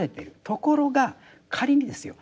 ところが仮にですよ